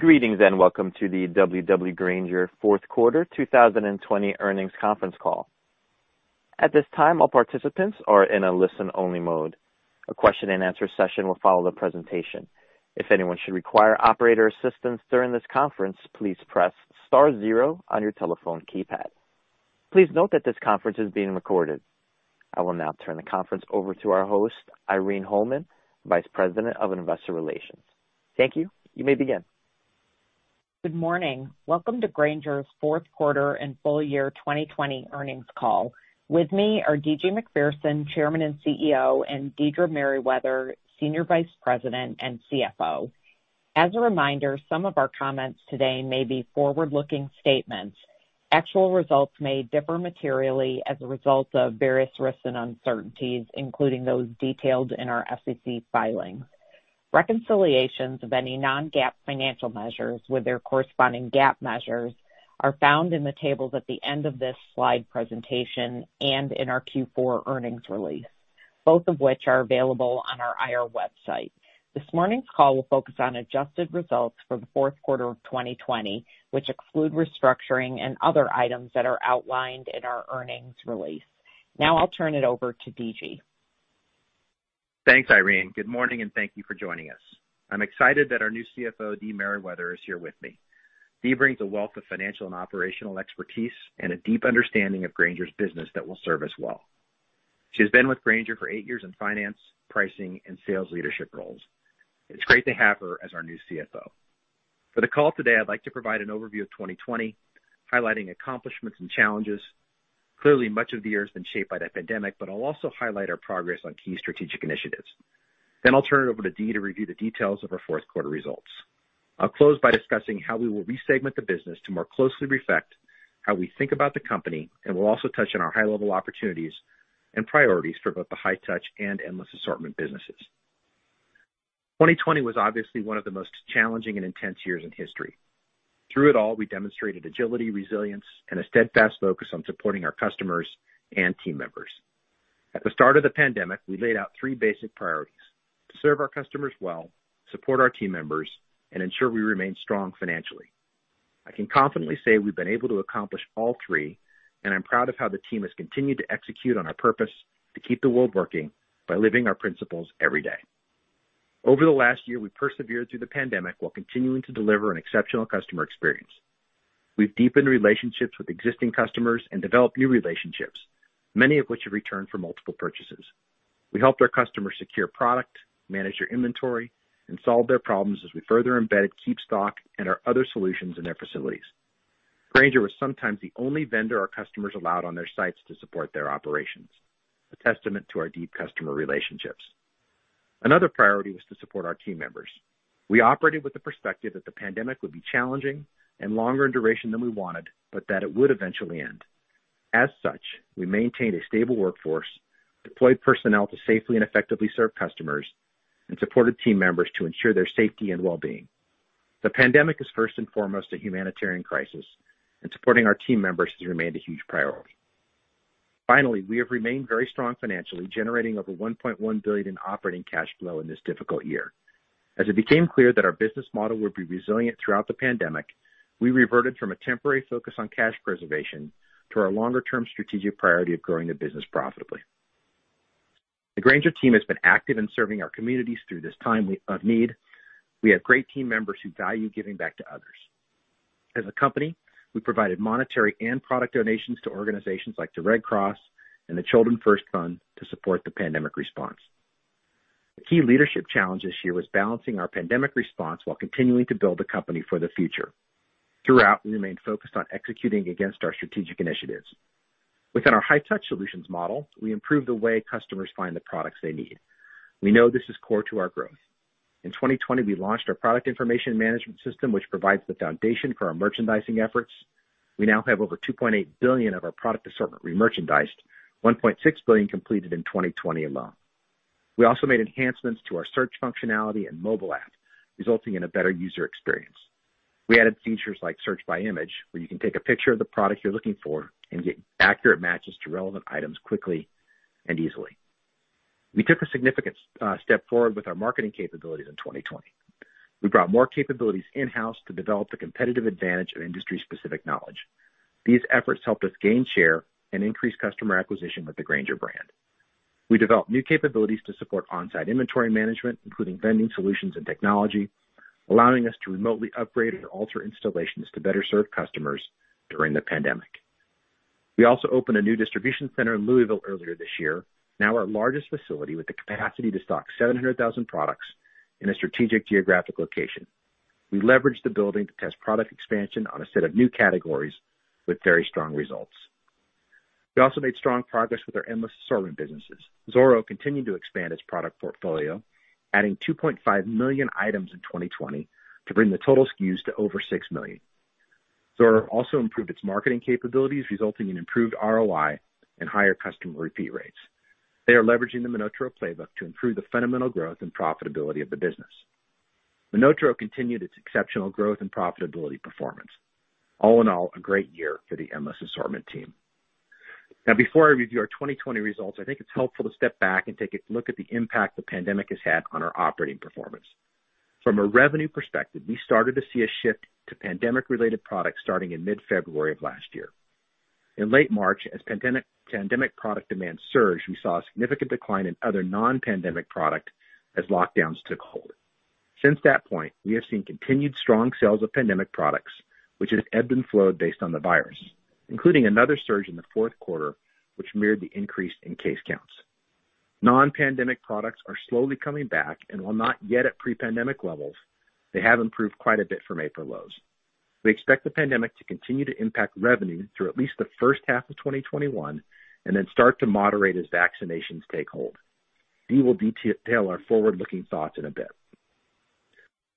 Greetings and welcome to the W.W. Grainger fourth quarter 2020 earnings conference call. At this time, all participants are in a listen-only mode. A question and answer session will follow the presentation. If anyone should require operator assistance during this conference, please press star zero on your telephone keypad. Please note that this conference is being recorded. I will now turn the conference over to our host, Irene Holman, Vice President of Investor Relations. Thank you. You may begin. Good morning. Welcome to Grainger's fourth quarter and full year 2020 earnings call. With me are D.G. Macpherson, Chairman and CEO, and Deidra Merriwether, Senior Vice President and CFO. As a reminder, some of our comments today may be forward-looking statements. Actual results may differ materially as a result of various risks and uncertainties, including those detailed in our SEC filings. Reconciliations of any non-GAAP financial measures with their corresponding GAAP measures are found in the tables at the end of this slide presentation and in our Q4 earnings release, both of which are available on our IR website. This morning's call will focus on adjusted results for the fourth quarter of 2020, which exclude restructuring and other items that are outlined in our earnings release. I'll turn it over to D.G. Thanks, Irene. Good morning, and thank you for joining us. I'm excited that our new CFO, Dee Merriwether, is here with me. Dee brings a wealth of financial and operational expertise and a deep understanding of Grainger's business that will serve us well. She has been with Grainger for eight years in finance, pricing, and sales leadership roles. It's great to have her as our new CFO. For the call today, I'd like to provide an overview of 2020, highlighting accomplishments and challenges. Clearly, much of the year has been shaped by the pandemic, I'll also highlight our progress on key strategic initiatives. I'll turn it over to Dee to review the details of our fourth quarter results. I'll close by discussing how we will re-segment the business to more closely reflect how we think about the company, and we'll also touch on our high-level opportunities and priorities for both the High-Touch and Endless Assortment businesses. 2020 was obviously one of the most challenging and intense years in history. Through it all, we demonstrated agility, resilience, and a steadfast focus on supporting our customers and team members. At the start of the pandemic, we laid out three basic priorities: to serve our customers well, support our team members, and ensure we remain strong financially. I can confidently say we've been able to accomplish all three, and I'm proud of how the team has continued to execute on our purpose to keep the world working by living our principles every day. Over the last year, we persevered through the pandemic while continuing to deliver an exceptional customer experience. We've deepened relationships with existing customers and developed new relationships, many of which have returned for multiple purchases. We helped our customers secure product, manage their inventory, and solve their problems as we further embedded KeepStock and our other solutions in their facilities. Grainger was sometimes the only vendor our customers allowed on their sites to support their operations, a testament to our deep customer relationships. Another priority was to support our team members. We operated with the perspective that the pandemic would be challenging and longer in duration than we wanted, but that it would eventually end. As such, we maintained a stable workforce, deployed personnel to safely and effectively serve customers, and supported team members to ensure their safety and well-being. The pandemic is first and foremost a humanitarian crisis, and supporting our team members has remained a huge priority. Finally, we have remained very strong financially, generating over $1.1 billion in operating cash flow in this difficult year. As it became clear that our business model would be resilient throughout the pandemic, we reverted from a temporary focus on cash preservation to our longer-term strategic priority of growing the business profitably. The Grainger team has been active in serving our communities through this time of need. We have great team members who value giving back to others. As a company, we provided monetary and product donations to organizations like the Red Cross and the Children First Fund to support the pandemic response. The key leadership challenge this year was balancing our pandemic response while continuing to build the company for the future. Throughout, we remained focused on executing against our strategic initiatives. Within our High-Touch Solutions model, we improved the way customers find the products they need. We know this is core to our growth. In 2020, we launched our product information management system, which provides the foundation for our merchandising efforts. We now have over $2.8 billion of our product assortment remerchandised, $1.6 billion completed in 2020 alone. We also made enhancements to our search functionality and mobile app, resulting in a better user experience. We added features like search by image, where you can take a picture of the product you're looking for and get accurate matches to relevant items quickly and easily. We took a significant step forward with our marketing capabilities in 2020. We brought more capabilities in-house to develop the competitive advantage of industry-specific knowledge. These efforts helped us gain share and increase customer acquisition with the Grainger brand. We developed new capabilities to support on-site inventory management, including vending solutions and technology, allowing us to remotely upgrade or alter installations to better serve customers during the pandemic. We also opened a new distribution center in Louisville earlier this year, now our largest facility, with the capacity to stock 700,000 products in a strategic geographic location. We leveraged the building to test product expansion on a set of new categories with very strong results. We also made strong progress with our Endless Assortment businesses. Zoro continued to expand its product portfolio, adding 2.5 million items in 2020 to bring the total SKUs to over 6 million. Zoro also improved its marketing capabilities, resulting in improved ROI and higher customer repeat rates. They are leveraging the MonotaRO playbook to improve the fundamental growth and profitability of the business. MonotaRO continued its exceptional growth and profitability performance. All in all, a great year for the Endless Assortment team. Now, before I review our 2020 results, I think it's helpful to step back and take a look at the impact the pandemic has had on our operating performance. From a revenue perspective, we started to see a shift to pandemic-related products starting in mid-February of last year. In late March, as pandemic product demand surged, we saw a significant decline in other non-pandemic product as lockdowns took hold. Since that point, we have seen continued strong sales of pandemic products, which has ebbed and flowed based on the virus, including another surge in the fourth quarter, which mirrored the increase in case counts. Non-pandemic products are slowly coming back, and while not yet at pre-pandemic levels, they have improved quite a bit from April lows. We expect the pandemic to continue to impact revenue through at least the first half of 2021, and then start to moderate as vaccinations take hold. We will detail our forward-looking thoughts in a bit.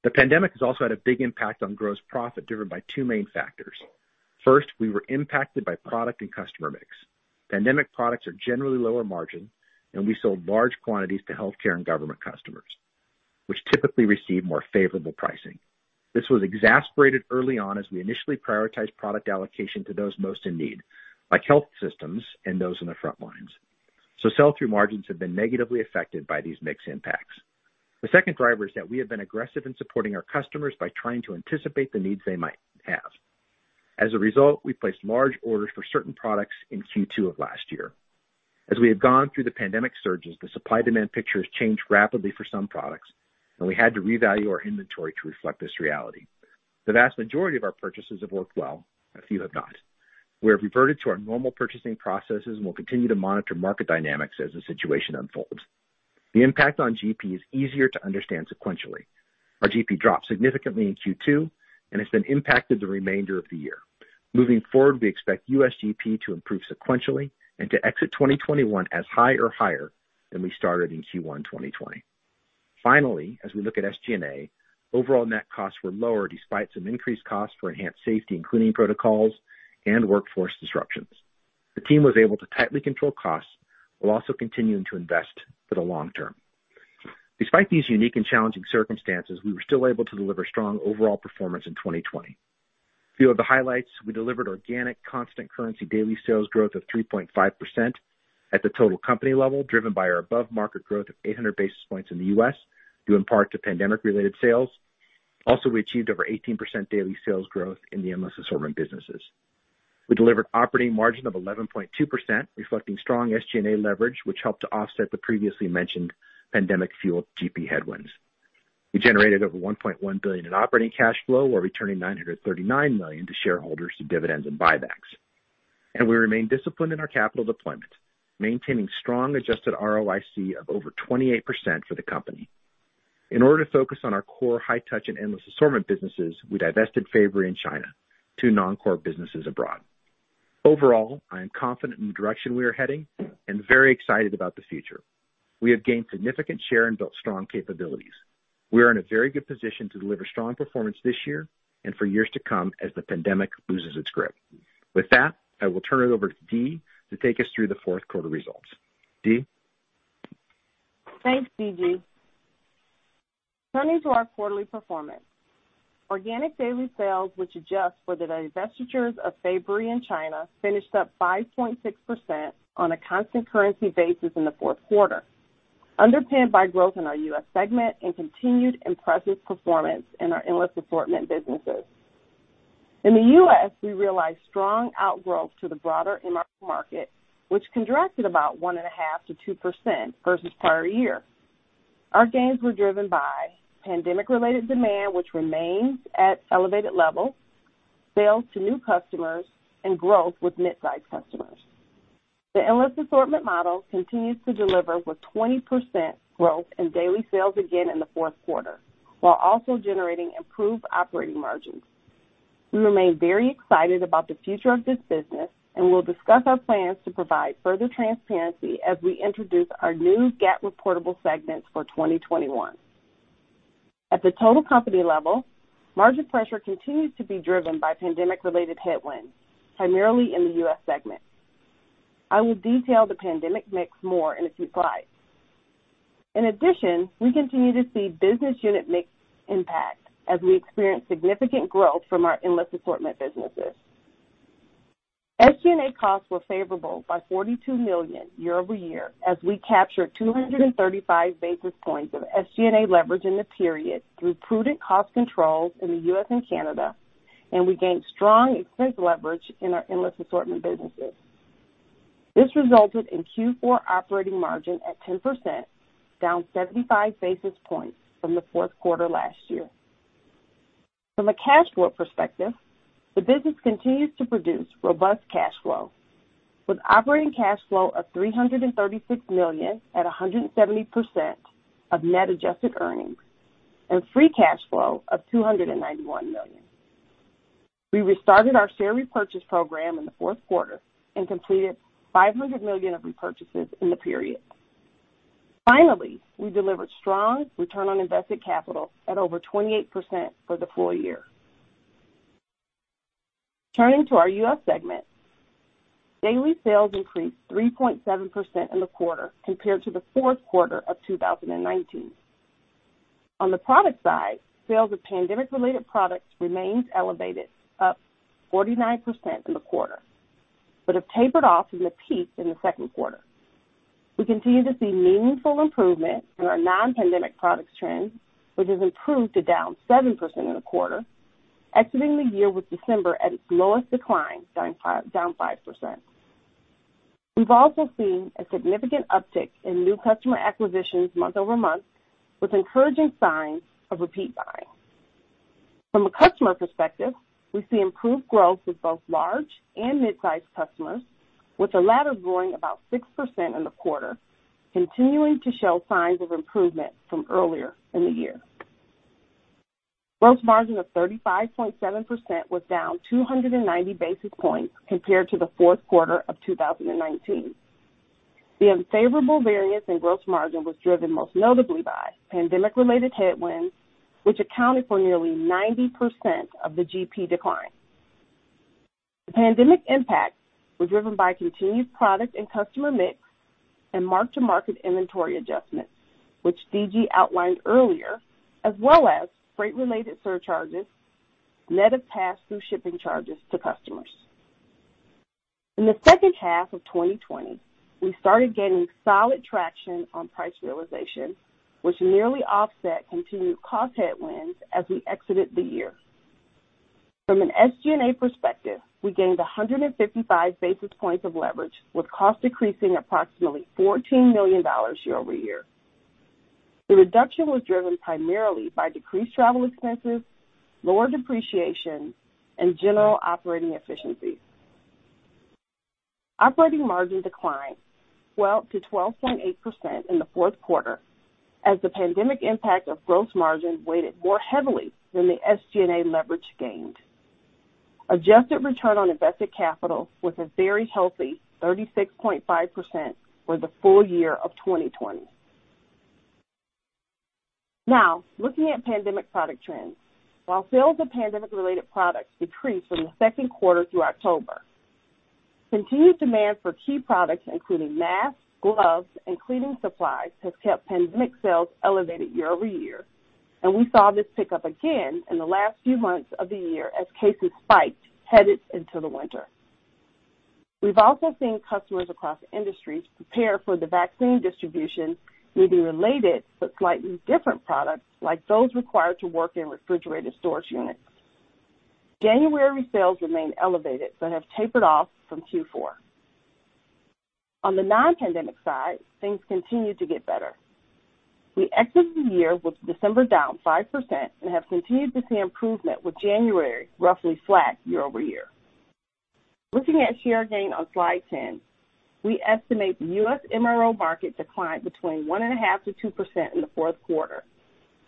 The pandemic has also had a big impact on gross profit, driven by two main factors. First, we were impacted by product and customer mix. Pandemic products are generally lower margin, and we sold large quantities to healthcare and government customers, which typically receive more favorable pricing. This was exacerbated early on as we initially prioritized product allocation to those most in need, like health systems and those on the front lines. Sell-through margins have been negatively affected by these mix impacts. The second driver is that we have been aggressive in supporting our customers by trying to anticipate the needs they might have. As a result, we placed large orders for certain products in Q2 of last year. As we have gone through the pandemic surges, the supply-demand picture has changed rapidly for some products, and we had to revalue our inventory to reflect this reality. The vast majority of our purchases have worked well, a few have not. We have reverted to our normal purchasing processes and will continue to monitor market dynamics as the situation unfolds. The impact on GP is easier to understand sequentially. Our GP dropped significantly in Q2, and it's then impacted the remainder of the year. Moving forward, we expect U.S. GP to improve sequentially and to exit 2021 as high or higher than we started in Q1 2020. Finally, as we look at SG&A, overall net costs were lower despite some increased costs for enhanced safety and cleaning protocols and workforce disruptions. The team was able to tightly control costs while also continuing to invest for the long term. Despite these unique and challenging circumstances, we were still able to deliver strong overall performance in 2020. A few of the highlights, we delivered organic constant currency daily sales growth of 3.5% at the total company level, driven by our above-market growth of 800 basis points in the U.S., due in part to pandemic-related sales. Also, we achieved over 18% daily sales growth in the Endless Assortment businesses. We delivered operating margin of 11.2%, reflecting strong SG&A leverage, which helped to offset the previously mentioned pandemic-fueled GP headwinds. We generated over $1.1 billion in operating cash flow while returning $939 million to shareholders through dividends and buybacks. We remain disciplined in our capital deployment, maintaining strong adjusted ROIC of over 28% for the company. In order to focus on our core High-Touch and Endless Assortment businesses, we divested Fabory and China, two non-core businesses abroad. Overall, I am confident in the direction we are heading and very excited about the future. We have gained significant share and built strong capabilities. We are in a very good position to deliver strong performance this year and for years to come as the pandemic loses its grip. With that, I will turn it over to Dee to take us through the fourth quarter results. Dee? Thanks, D.G. Turning to our quarterly performance. Organic daily sales, which adjust for the divestitures of Fabory and China, finished up 5.6% on a constant currency basis in the fourth quarter, underpinned by growth in our U.S. segment and continued impressive performance in our Endless Assortment businesses. In the U.S., we realized strong outgrowth to the broader MRO market, which contracted about 1.5%-2% versus prior year. Our gains were driven by pandemic-related demand, which remains at elevated levels, sales to new customers, and growth with mid-size customers. The Endless Assortment model continues to deliver with 20% growth in daily sales again in the fourth quarter, while also generating improved operating margins. We remain very excited about the future of this business, and we'll discuss our plans to provide further transparency as we introduce our new GAAP Reportable Segments for 2021. At the total company level, margin pressure continues to be driven by pandemic-related headwinds, primarily in the U.S. segment. I will detail the pandemic mix more in a few slides. In addition, we continue to see business unit mix impact as we experience significant growth from our Endless Assortment businesses. SG&A costs were favorable by $42 million year-over-year as we captured 235 basis points of SG&A leverage in the period through prudent cost controls in the U.S. and Canada, and we gained strong expense leverage in our Endless Assortment businesses. This resulted in Q4 operating margin at 10%, down 75 basis points from the fourth quarter last year. From a cash flow perspective, the business continues to produce robust cash flow, with operating cash flow of $336 million at 170% of net adjusted earnings and free cash flow of $291 million. We restarted our share repurchase program in the fourth quarter and completed $500 million of repurchases in the period. Finally, we delivered strong return on invested capital at over 28% for the full year. Turning to our U.S. segment, daily sales increased 3.7% in the quarter compared to the fourth quarter of 2019. On the product side, sales of pandemic-related products remains elevated, up 49% in the quarter, but have tapered off from the peak in the second quarter. We continue to see meaningful improvement in our non-pandemic products trend, which has improved to down 7% in the quarter, exiting the year with December at its lowest decline, down 5%. We've also seen a significant uptick in new customer acquisitions month-over-month, with encouraging signs of repeat buying. From a customer perspective, we see improved growth with both large and mid-size customers, with the latter growing about 6% in the quarter, continuing to show signs of improvement from earlier in the year. Gross margin of 35.7% was down 290 basis points compared to the fourth quarter of 2019. The unfavorable variance in gross margin was driven most notably by pandemic-related headwinds, which accounted for nearly 90% of the GP decline. The pandemic impact was driven by continued product and customer mix and mark-to-market inventory adjustments, which D.G. outlined earlier, as well as freight-related surcharges, net of pass-through shipping charges to customers. In the second half of 2020, we started gaining solid traction on price realization, which nearly offset continued cost headwinds as we exited the year. From an SG&A perspective, we gained 155 basis points of leverage with cost decreasing approximately $14 million year-over-year. The reduction was driven primarily by decreased travel expenses, lower depreciation, and general operating efficiencies. Operating margin declined 12%-12.8% in the fourth quarter as the pandemic impact of gross margin weighted more heavily than the SG&A leverage gained. Adjusted return on invested capital was a very healthy 36.5% for the full year of 2020. Looking at pandemic product trends. While sales of pandemic-related products decreased from the second quarter through October, continued demand for key products including masks, gloves, and cleaning supplies has kept pandemic sales elevated year-over-year, and we saw this pick up again in the last few months of the year as cases spiked headed into the winter. We've also seen customers across industries prepare for the vaccine distribution, needing related, but slightly different products, like those required to work in refrigerated storage units. January sales remain elevated but have tapered off from Q4. On the non-pandemic side, things continue to get better. We exit the year with December down 5% and have continued to see improvement with January roughly flat year-over-year. Looking at share gain on slide 10, we estimate the U.S. MRO market declined between 1.5%-2% in the fourth quarter,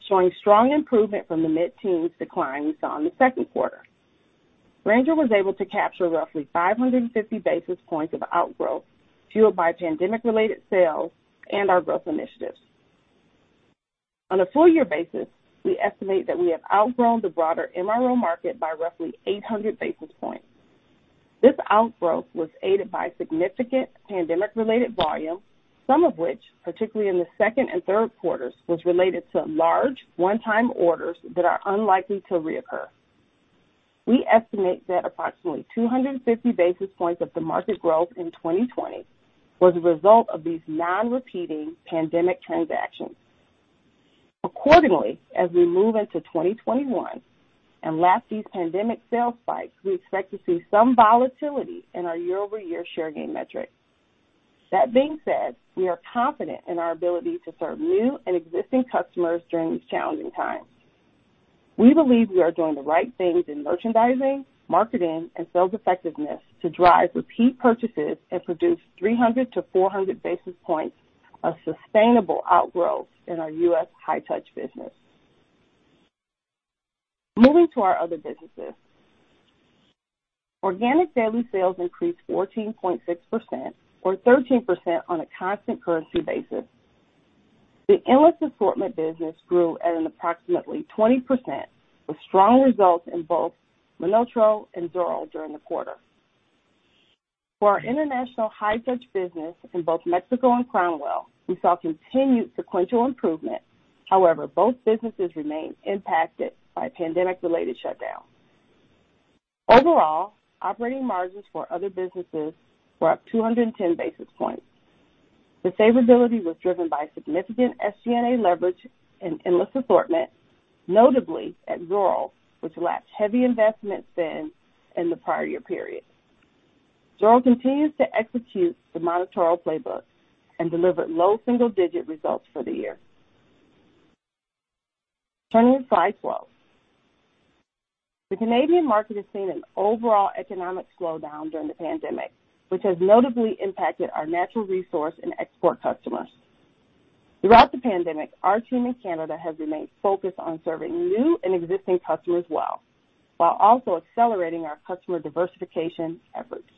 showing strong improvement from the mid-teens decline we saw in the second quarter. Grainger was able to capture roughly 550 basis points of outgrowth, fueled by pandemic-related sales and our growth initiatives. On a full year basis, we estimate that we have outgrown the broader MRO market by roughly 800 basis points. This outgrowth was aided by significant pandemic-related volume, some of which, particularly in the second and third quarters, was related to large one-time orders that are unlikely to reoccur. We estimate that approximately 250 basis points of the market growth in 2020 was a result of these non-repeating pandemic transactions. Accordingly, as we move into 2021 and lap these pandemic sales spikes, we expect to see some volatility in our year-over-year share gain metric. That being said, we are confident in our ability to serve new and existing customers during these challenging times. We believe we are doing the right things in merchandising, marketing, and sales effectiveness to drive repeat purchases and produce 300-400 basis points of sustainable outgrowth in our U.S. High-Touch Business. Moving to our other businesses. Organic daily sales increased 14.6%, or 13% on a constant currency basis. The Endless Assortment business grew at an approximately 20%, with strong results in both MonotaRO and Zoro during the quarter. For our international high-touch business in both Mexico and Cromwell, we saw continued sequential improvement. However, both businesses remain impacted by pandemic-related shutdowns. Overall, operating margins for other businesses were up 210 basis points. The favorability was driven by significant SG&A leverage in Endless Assortment, notably at Zoro, which lapsed heavy investments in the prior year period. Zoro continues to execute the MonotaRO playbook and delivered low single-digit results for the year. Turning to slide 12. The Canadian market has seen an overall economic slowdown during the pandemic, which has notably impacted our natural resource and export customers. Throughout the pandemic, our team in Canada has remained focused on serving new and existing customers well, while also accelerating our customer diversification efforts.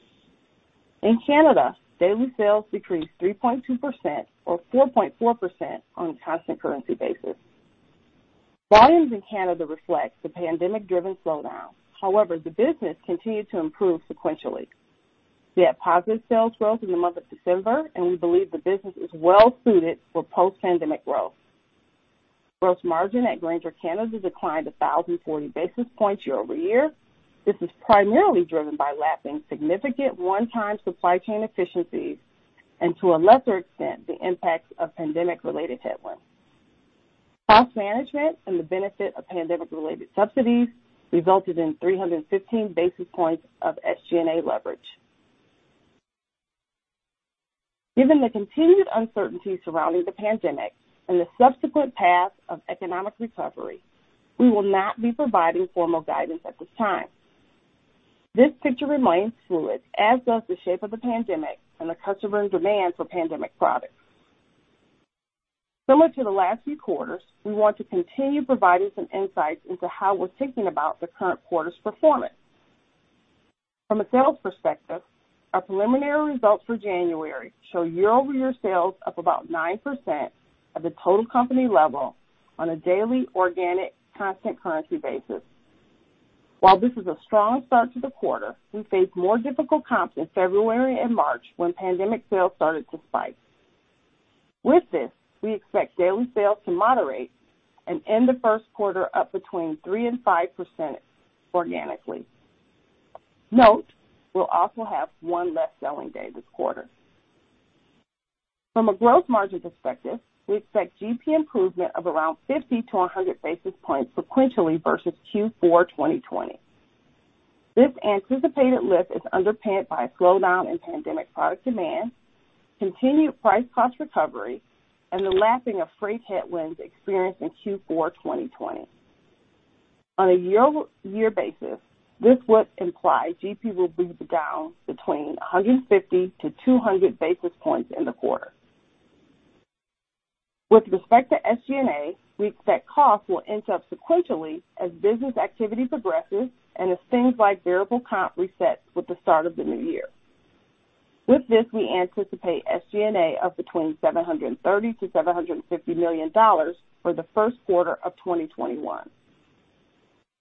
In Canada, daily sales decreased 3.2%, or 4.4% on a constant currency basis. Volumes in Canada reflect the pandemic-driven slowdown. However, the business continued to improve sequentially. We had positive sales growth in the month of December, and we believe the business is well-suited for post-pandemic growth. Gross margin at Grainger Canada declined 1,040 basis points year-over-year. This was primarily driven by lapping significant one-time supply chain efficiencies, and to a lesser extent, the impacts of pandemic-related headwinds. Cost management and the benefit of pandemic-related subsidies resulted in 315 basis points of SG&A leverage. Given the continued uncertainty surrounding the pandemic and the subsequent path of economic recovery, we will not be providing formal guidance at this time. This picture remains fluid, as does the shape of the pandemic and the customer demand for pandemic products. Similar to the last few quarters, we want to continue providing some insights into how we're thinking about the current quarter's performance. From a sales perspective, our preliminary results for January show year-over-year sales up about 9% at the total company level on a daily organic constant currency basis. While this is a strong start to the quarter, we face more difficult comps in February and March when pandemic sales started to spike. With this, we expect daily sales to moderate and end the first quarter up between 3%-5% organically. Note, we'll also have one less selling day this quarter. From a growth margin perspective, we expect GP improvement of around 50-100 basis points sequentially versus Q4 2020. This anticipated lift is underpinned by a slowdown in pandemic product demand, continued price cost recovery, and the lapping of freight headwinds experienced in Q4 2020. On a year-over-year basis, this would imply GP will be down between 150-200 basis points in the quarter. With respect to SG&A, we expect costs will inch up sequentially as business activity progresses and as things like variable comp reset with the start of the new year. With this, we anticipate SG&A of between $730 million-$750 million for the first quarter of 2021.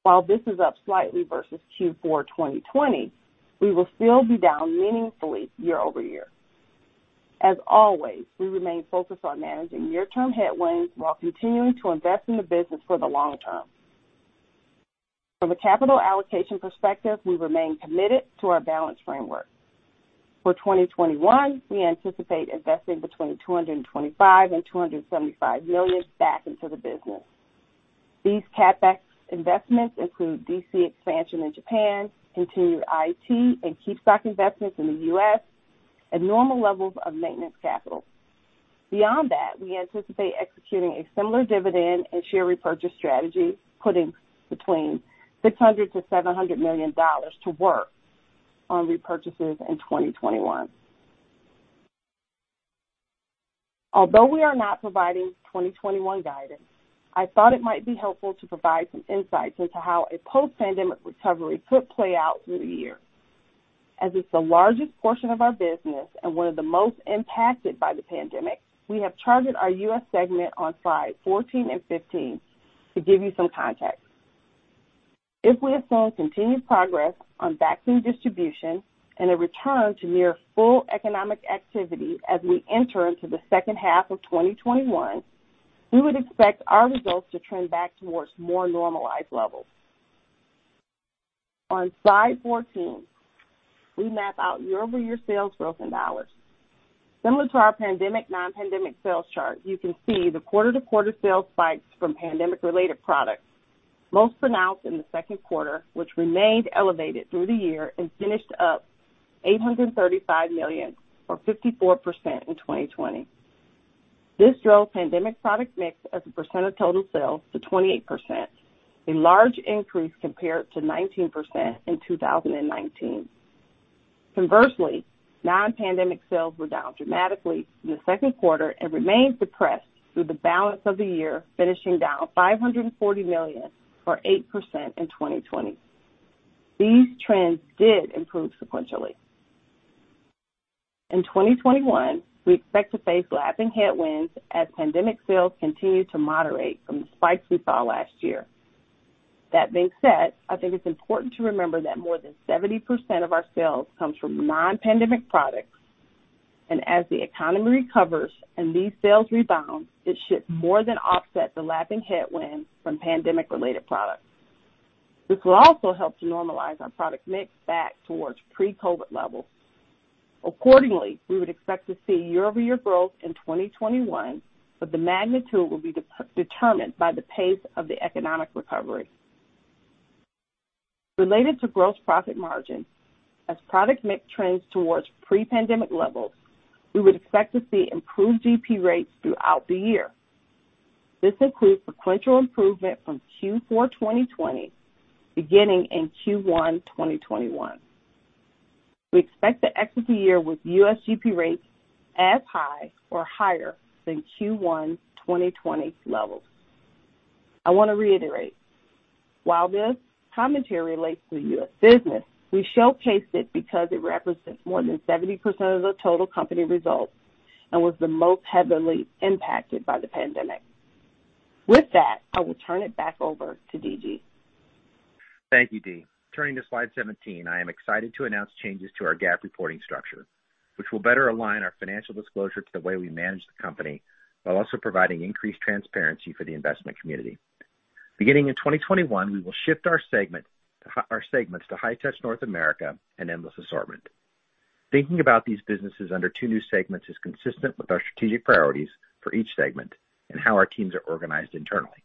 While this is up slightly versus Q4 2020, we will still be down meaningfully year-over-year. As always, we remain focused on managing near-term headwinds while continuing to invest in the business for the long term. From a capital allocation perspective, we remain committed to our balanced framework. For 2021, we anticipate investing between $225 million and $275 million back into the business. These CapEx investments include DC expansion in Japan, continued IT, and KeepStock investments in the U.S., and normal levels of maintenance capital. Beyond that, we anticipate executing a similar dividend and share repurchase strategy, putting between $600 million-$700 million to work on repurchases in 2021. Although we are not providing 2021 guidance, I thought it might be helpful to provide some insights into how a post-pandemic recovery could play out through the year. As it's the largest portion of our business and one of the most impacted by the pandemic, we have charted our U.S. segment on slides 14 and 15 to give you some context. If we have seen continued progress on vaccine distribution and a return to near full economic activity as we enter into the second half of 2021, we would expect our results to trend back towards more normalized levels. On slide 14, we map out year-over-year sales growth in dollars. Similar to our pandemic, non-pandemic sales chart, you can see the quarter-to-quarter sales spikes from pandemic-related products, most pronounced in the second quarter, which remained elevated through the year and finished up $835 million, or 54%, in 2020. This drove pandemic product mix as a percent of total sales to 28%, a large increase compared to 19% in 2019. Conversely, non-pandemic sales were down dramatically in the second quarter and remained suppressed through the balance of the year, finishing down $540 million, or 8%, in 2020. These trends did improve sequentially. In 2021, we expect to face lapping headwinds as pandemic sales continue to moderate from the spikes we saw last year. That being said, I think it's important to remember that more than 70% of our sales comes from non-pandemic products, and as the economy recovers and these sales rebound, it should more than offset the lapping headwinds from pandemic-related products. This will also help to normalize our product mix back towards pre-COVID levels. Accordingly, we would expect to see year-over-year growth in 2021, but the magnitude will be determined by the pace of the economic recovery. Related to gross profit margin, as product mix trends towards pre-pandemic levels, we would expect to see improved GP rates throughout the year. This includes sequential improvement from Q4 2020, beginning in Q1 2021. We expect to exit the year with U.S. GP rates as high or higher than Q1 2020 levels. I want to reiterate, while this commentary relates to the U.S. business, we showcased it because it represents more than 70% of the total company results and was the most heavily impacted by the pandemic. With that, I will turn it back over to DG. Thank you, Dee. Turning to slide 17, I am excited to announce changes to our GAAP reporting structure, which will better align our financial disclosure to the way we manage the company, while also providing increased transparency for the investment community. Beginning in 2021, we will shift our segments to High-Touch Solutions N.A. and Endless Assortment. Thinking about these businesses under two new segments is consistent with our strategic priorities for each segment and how our teams are organized internally.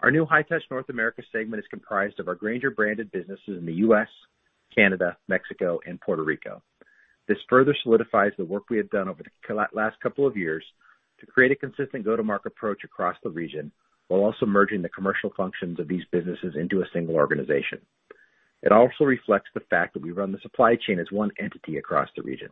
Our new High-Touch Solutions N.A. segment is comprised of our Grainger branded businesses in the U.S., Canada, Mexico, and Puerto Rico. This further solidifies the work we have done over the last couple of years to create a consistent go-to-market approach across the region, while also merging the commercial functions of these businesses into a single organization. It also reflects the fact that we run the supply chain as one entity across the region.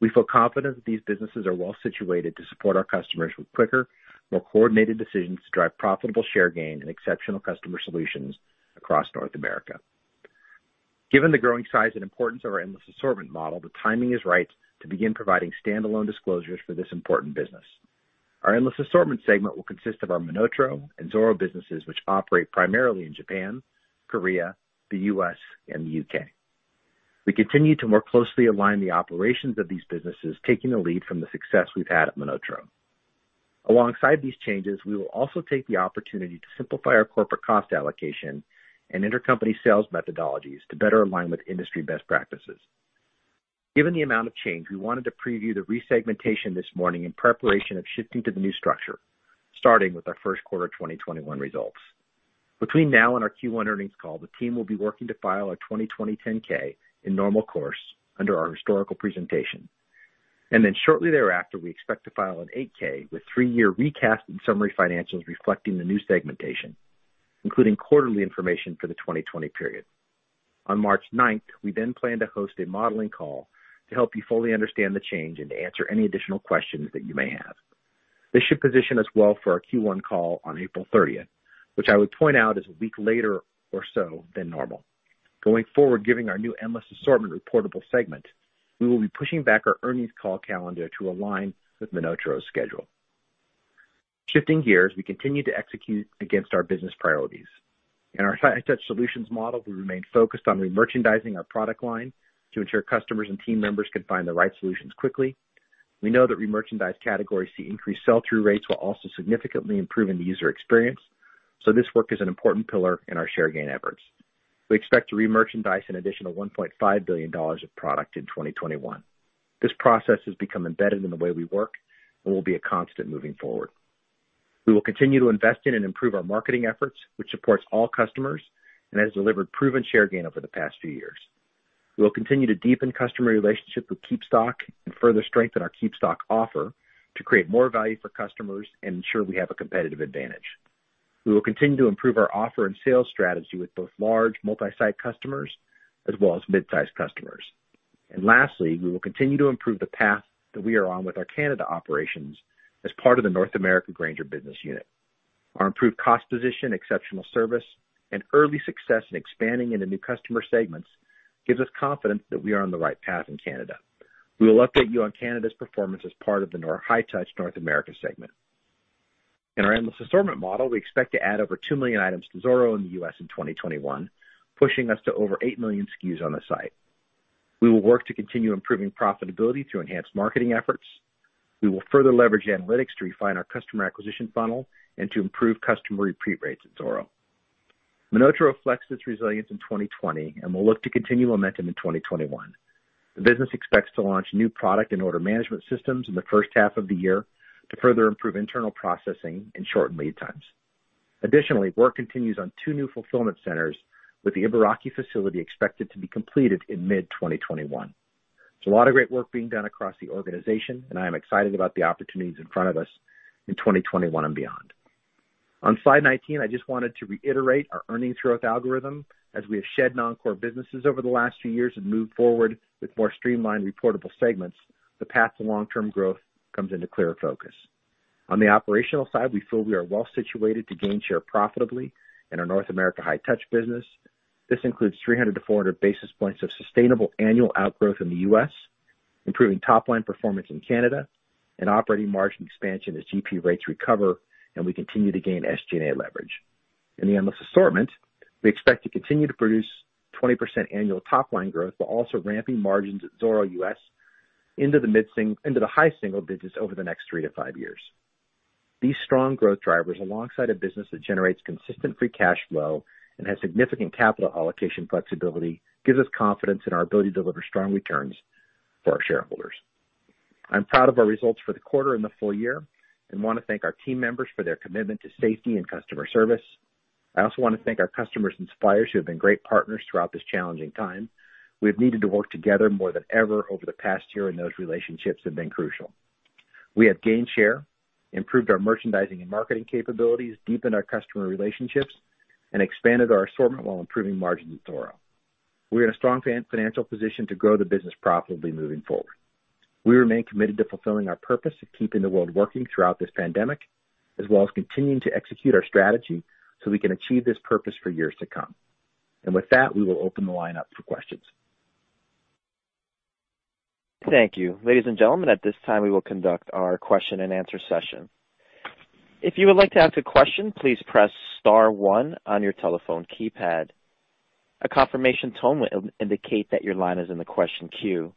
We feel confident that these businesses are well-situated to support our customers with quicker, more coordinated decisions to drive profitable share gain and exceptional customer solutions across North America. Given the growing size and importance of our Endless Assortment model, the timing is right to begin providing standalone disclosures for this important business. Our Endless Assortment segment will consist of our MonotaRO and Zoro businesses, which operate primarily in Japan, Korea, the U.S., and the U.K. We continue to more closely align the operations of these businesses, taking the lead from the success we've had at MonotaRO. Alongside these changes, we will also take the opportunity to simplify our corporate cost allocation and intercompany sales methodologies to better align with industry best practices. Given the amount of change, we wanted to preview the resegmentation this morning in preparation of shifting to the new structure, starting with our first quarter 2021 results. Between now and our Q1 earnings call, the team will be working to file our 2020 10-K in normal course under our historical presentation. Shortly thereafter, we expect to file an 8-K with three-year recast and summary financials reflecting the new segmentation, including quarterly information for the 2020 period. On March 9th, we plan to host a modeling call to help you fully understand the change and to answer any additional questions that you may have. This should position us well for our Q1 call on April 30th, which I would point out is a week later or so than normal. Going forward, giving our new Endless Assortment reportable segment, we will be pushing back our earnings call calendar to align with MonotaRO's schedule. Shifting gears, we continue to execute against our business priorities. In our High-Touch Solutions N.A. model, we remain focused on remerchandising our product line to ensure customers and team members can find the right solutions quickly. We know that remerchandised categories see increased sell-through rates while also significantly improving the user experience, so this work is an important pillar in our share gain efforts. We expect to remerchandise an additional $1.5 billion of product in 2021. This process has become embedded in the way we work and will be a constant moving forward. We will continue to invest in and improve our marketing efforts, which supports all customers and has delivered proven share gain over the past few years. Lastly, we will continue to improve the path that we are on with our Canada operations as part of the North America Grainger business unit. Our improved cost position, exceptional service, and early success in expanding into new customer segments gives us confidence that we are on the right path in Canada. We will update you on Canada's performance as part of the High-Touch Solutions N.A. segment. In our Endless Assortment model, we expect to add over 2 million items to Zoro in the U.S. in 2021, pushing us to over 8 million SKUs on the site. We will work to continue improving profitability through enhanced marketing efforts. We will further leverage analytics to refine our customer acquisition funnel and to improve customer repeat rates at Zoro. MonotaRO reflects its resilience in 2020 and will look to continue momentum in 2021. The business expects to launch new product and order management systems in the first half of the year to further improve internal processing and shorten lead times. Additionally, work continues on two new fulfillment centers, with the Ibaraki facility expected to be completed in mid-2021. There's a lot of great work being done across the organization, and I am excited about the opportunities in front of us in 2021 and beyond. On slide 19, I just wanted to reiterate our earnings growth algorithm. As we have shed non-core businesses over the last few years and moved forward with more streamlined reportable segments, the path to long-term growth comes into clearer focus. On the operational side, we feel we are well situated to gain share profitably in our North America High-Touch business. This includes 300-400 basis points of sustainable annual outgrowth in the U.S., improving top-line performance in Canada, and operating margin expansion as GP rates recover and we continue to gain SG&A leverage. In the Endless Assortment, we expect to continue to produce 20% annual top-line growth while also ramping margins at Zoro U.S. into the high single digits over the next three to five years. These strong growth drivers, alongside a business that generates consistent free cash flow and has significant capital allocation flexibility, gives us confidence in our ability to deliver strong returns for our shareholders. I'm proud of our results for the quarter and the full year and want to thank our team members for their commitment to safety and customer service. I also want to thank our customers and suppliers who have been great partners throughout this challenging time. We have needed to work together more than ever over the past year, and those relationships have been crucial. We have gained share, improved our merchandising and marketing capabilities, deepened our customer relationships, and expanded our assortment while improving margins at Zoro. We are in a strong financial position to grow the business profitably moving forward. We remain committed to fulfilling our purpose of keeping the world working throughout this pandemic, as well as continuing to execute our strategy so we can achieve this purpose for years to come. With that, we will open the line up for questions. Thank you. Ladies and gentlemen, at this time, we will conduct our question and answer session. If you would like to ask a question, please press star one on your telephone keypad. A confirmation tone will indicate that your line is in the question queue.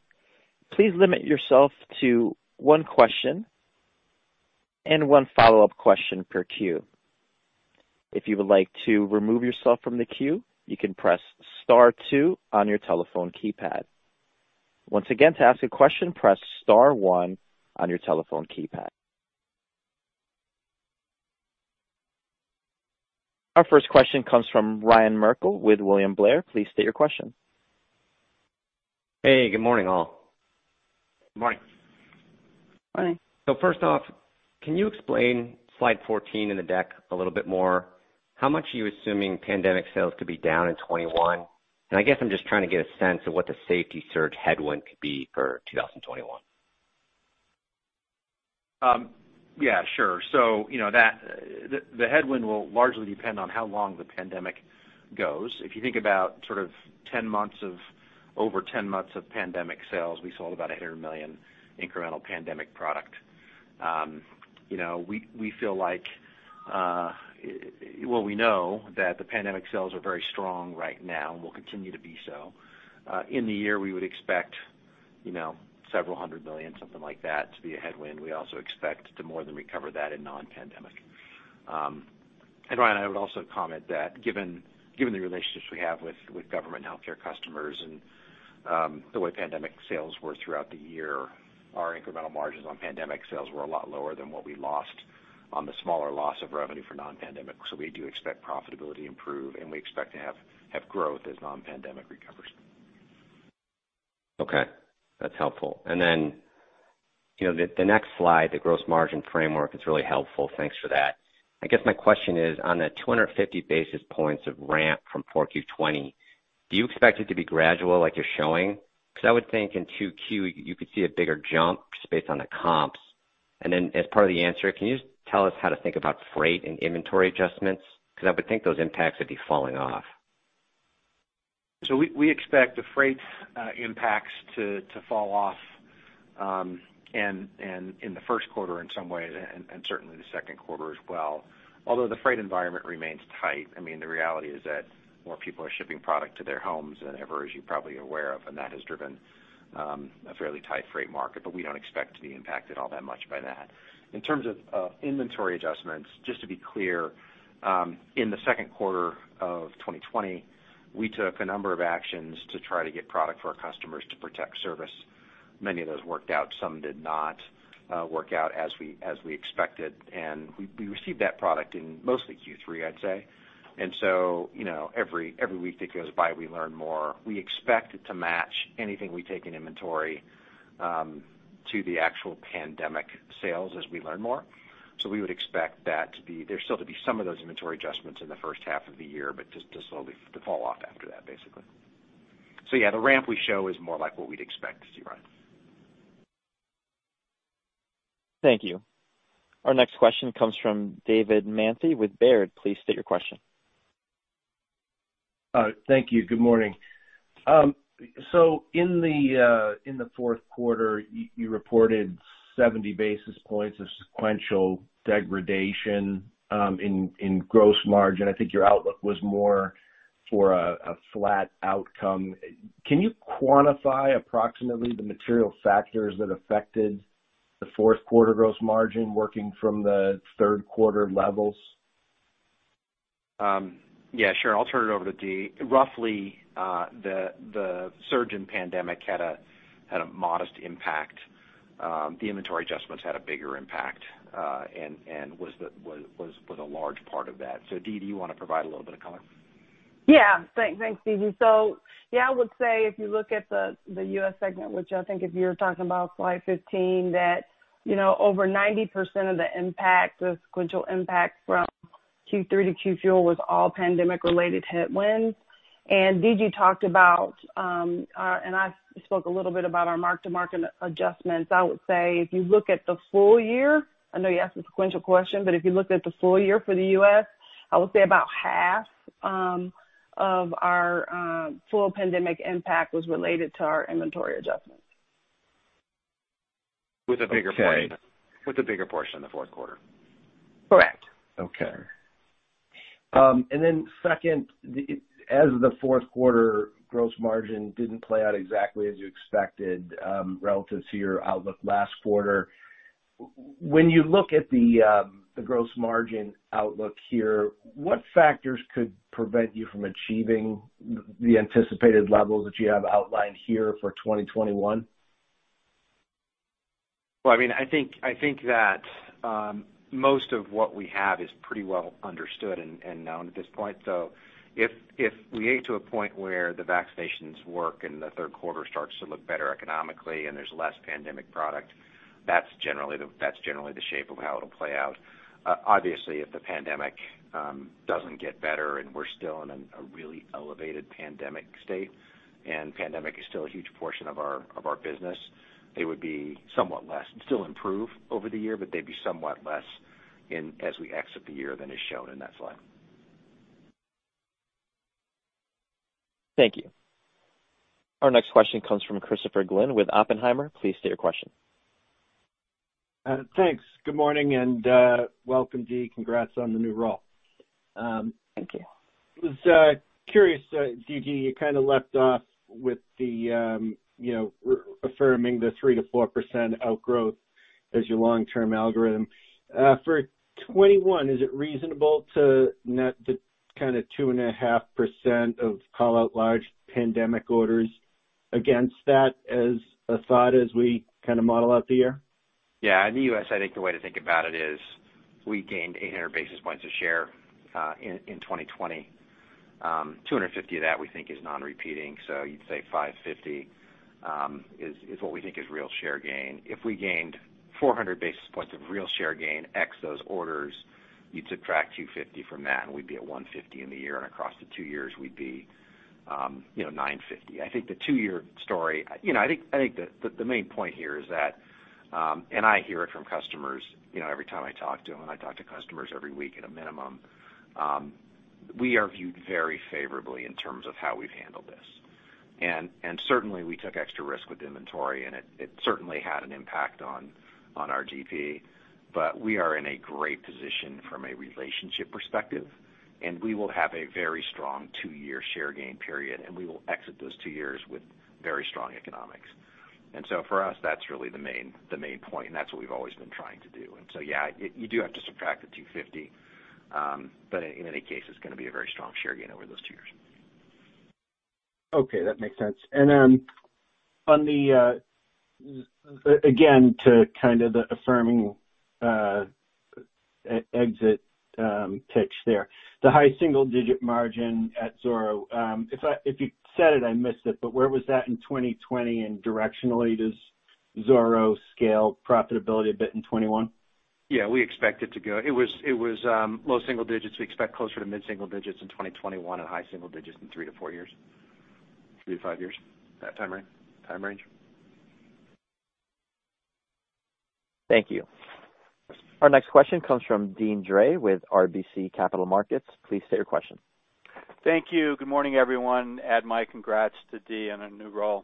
Please limit yourself to one question and one follow-up question per queue. If you would like to remove yourself from the queue, you can press star two on your telephone keypad. Once again, to ask a question, press star one on your telephone keypad. Our first question comes from Ryan Merkel with William Blair. Please state your question. Hey, good morning, all. Morning. Morning. First off, can you explain slide 14 in the deck a little bit more? How much are you assuming pandemic sales to be down in 2021? I guess I'm just trying to get a sense of what the safety surge headwind could be for 2021. Yeah, sure. The headwind will largely depend on how long the pandemic goes. If you think about over 10 months of pandemic sales, we sold about $100 million in incremental pandemic product. We know that the pandemic sales are very strong right now and will continue to be so. In the year, we would expect several hundred million, something like that, to be a headwind. We also expect to more than recover that in non-pandemic. Ryan, I would also comment that given the relationships we have with government and healthcare customers and the way pandemic sales were throughout the year, our incremental margins on pandemic sales were a lot lower than what we lost on the smaller loss of revenue for non-pandemic. We do expect profitability improve, and we expect to have growth as non-pandemic recovers. Okay. That's helpful. The next slide, the gross margin framework, is really helpful. Thanks for that. I guess my question is on the 250 basis points of ramp from 4Q 2020, do you expect it to be gradual like you're showing? I would think in 2Q, you could see a bigger jump just based on the comps. As part of the answer, can you just tell us how to think about freight and inventory adjustments? I would think those impacts would be falling off. We expect the freight impacts to fall off in the first quarter in some way and certainly the second quarter as well, although the freight environment remains tight. The reality is that more people are shipping product to their homes than ever, as you probably are aware of, and that has driven a fairly tight freight market. We don't expect to be impacted all that much by that. In terms of inventory adjustments, just to be clear, in the second quarter of 2020, we took a number of actions to try to get product for our customers to protect service. Many of those worked out, some did not work out as we expected, and we received that product in mostly Q3, I'd say. Every week that goes by, we learn more. We expect it to match anything we take in inventory to the actual pandemic sales as we learn more. We would expect there still to be some of those inventory adjustments in the first half of the year, but just to slowly fall off after that, basically. Yeah, the ramp we show is more like what we'd expect to see, Ryan. Thank you. Our next question comes from David Manthey with Baird. Please state your question. Thank you. Good morning. In the fourth quarter, you reported 70 basis points of sequential degradation in gross margin. I think your outlook was more for a flat outcome. Can you quantify approximately the material factors that affected the fourth quarter gross margin working from the third quarter levels? Yeah, sure. I'll turn it over to Dee. Roughly, the surge in pandemic had a modest impact. The inventory adjustments had a bigger impact and was a large part of that. Dee, do you want to provide a little bit of comment? Yeah. Thanks, D.G. Yeah, I would say if you look at the U.S. segment, which I think if you're talking about slide 15, that over 90% of the sequential impact from Q3 to Q4 was all pandemic-related headwinds. D.G. talked about, and I spoke a little bit about our mark-to-market adjustments. I would say if you look at the full year, I know you asked a sequential question, but if you looked at the full year for the U.S., I would say about half of our full pandemic impact was related to our inventory adjustments. With a bigger portion in the fourth quarter. Correct. Okay. Second, as the fourth quarter gross margin didn't play out exactly as you expected relative to your outlook last quarter, when you look at the gross margin outlook here, what factors could prevent you from achieving the anticipated levels that you have outlined here for 2021? Well, I think that most of what we have is pretty well understood and known at this point. If we get to a point where the vaccinations work and the third quarter starts to look better economically and there's less pandemic product, that's generally the shape of how it'll play out. Obviously, if the pandemic doesn't get better and we're still in a really elevated pandemic state and pandemic is still a huge portion of our business, they would be somewhat less. Still improve over the year, they'd be somewhat less as we exit the year than is shown in that slide. Thank you. Our next question comes from Christopher Glynn with Oppenheimer. Please state your question. Thanks. Good morning and welcome, Dee. Congrats on the new role. Thank you. I was curious, D.G., you kind of left off with affirming the 3%-4% outgrowth as your long-term algorithm. For 2021, is it reasonable to net the kind of 2.5% of call out large pandemic orders against that as a thought as we kind of model out the year? Yeah, in the U.S., I think the way to think about it is we gained 800 basis points of share in 2020. 250 of that we think is non-repeating. You'd say 550 is what we think is real share gain. If we gained 400 basis points of real share gain ex those orders, you'd subtract 250 from that, and we'd be at 150 in the year. Across the two years, we'd be 950. I think the two-year story, I think the main point here is that, and I hear it from customers every time I talk to them, and I talk to customers every week at a minimum. We are viewed very favorably in terms of how we've handled this. Certainly we took extra risk with inventory, and it certainly had an impact on our GP. We are in a great position from a relationship perspective, and we will have a very strong two-year share gain period, and we will exit those two years with very strong economics. For us, that's really the main point and that's what we've always been trying to do. Yeah, you do have to subtract the $250. In any case, it's going to be a very strong share gain over those two years. Okay, that makes sense. Again, to kind of the affirming exit pitch there. The high single-digit margin at Zoro, if you said it, I missed it, but where was that in 2020, and directionally, does Zoro scale profitability a bit in 2021? We expect it to go. It was low single digits. We expect closer to mid-single digits in 2021 and high single digits in three to four years. Three to five years. That time range. Thank you. Our next question comes from Deane Dray with RBC Capital Markets. Please state your question. Thank you. Good morning, everyone. Add my congrats to Dee on a new role.